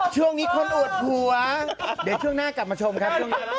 ช่วงนี้คนอวดหัวเดี๋ยวช่วงหน้ากลับมาชมครับช่วงนี้